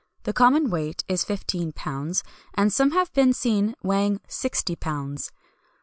The common weight is fifteen pounds, and some have been seen weighing 60lbs.